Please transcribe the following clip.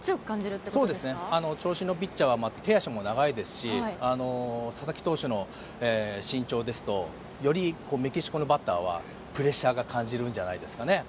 そうですね、長身のピッチャーは手足も長いですし佐々木投手の身長ですとよりメキシコのバッターはプレッシャーを感じるんじゃないですかね。